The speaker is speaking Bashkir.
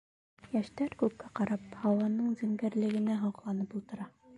Йәштәр күккә ҡарап, һауаның зәңгәрлегенә һоҡланып ултыра.